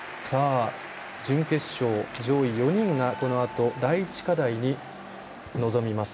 準決勝上位４人がこのあと第１課題に臨みます。